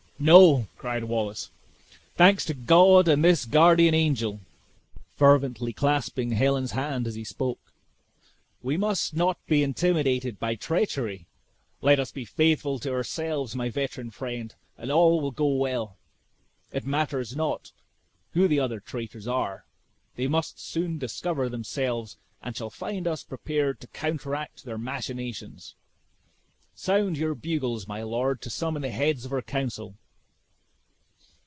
"No," cried Wallace. "Thanks to God and this guardian angel!" fervently clasping Helen's hand as he spoke, "we must not be intimidated by treachery! Let us be faithful to ourselves, my veteran friend, and all will go well. It matters not who the other traitors are; they must soon discover themselves, and shall find us prepared to counteract their machinations. Sound your bugles, my lord, to summon the heads of our council."